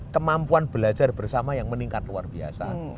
kemampuan belajar bersama yang meningkat luar biasa